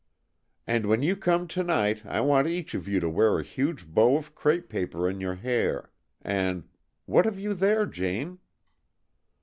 "And when you come to night, I want each of you to wear a huge bow of crêpe paper on your hair, and what have you there, Jane?"